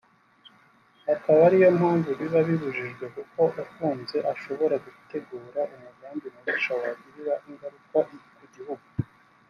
akaba ariyo mpamvu biba bibujijwe kuko ufunze ashobora gutegura umugambi mubisha wagira ingaruka ku gihugu